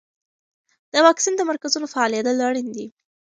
د واکسین د مرکزونو فعالیدل اړین دي.